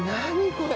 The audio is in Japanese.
これ。